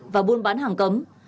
và buôn bán hàng cấm